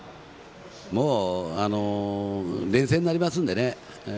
もう連戦になりますんでね。